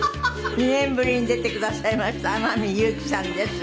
２年ぶりに出てくださいました天海祐希さんです。